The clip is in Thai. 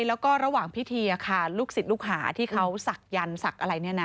แล้วก็ระหว่างพิธีลูกศิษย์ลูกหาที่เขาศักดิ์ศักดิ์อะไรเนี่ยนะ